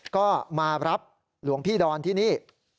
ก็มารับหลวงพี่ดอนที่นี่